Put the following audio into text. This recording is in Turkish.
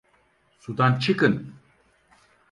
Sudan çıkın!